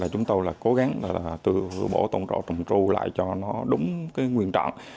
chúng tôi là cố gắng tu bổ tổng trọ trồng trù lại cho nó đúng nguyên trọng